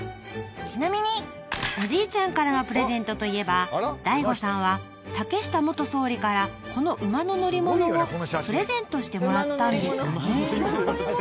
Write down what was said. ［ちなみにおじいちゃんからのプレゼントといえばＤＡＩＧＯさんは竹下元総理からこの馬の乗り物をプレゼントしてもらったんですかね？］